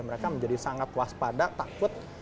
mereka menjadi sangat waspada takut